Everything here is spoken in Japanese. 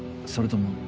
それとも。